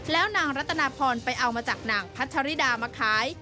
แล้วนางรัตนาพรไปเอามาจากนางพัชริดามาขาย